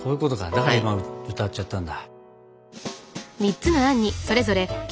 だから今歌っちゃったんだ。